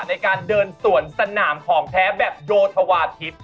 ในการเดินสวนสนามของแท้แบบโดธวาทิศ